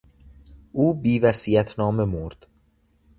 او بیوصیت نامه مرد.